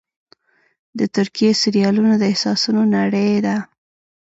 د ترکیې سریالونه د احساسونو نړۍ ده.